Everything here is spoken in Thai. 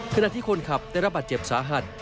ขณะที่คนขับได้รับบาดเจ็บสาหัส